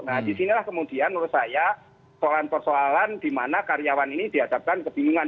nah disinilah kemudian menurut saya persoalan persoalan di mana karyawan ini dihadapkan kebingungan